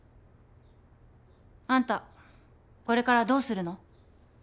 あんたこれからどうするの？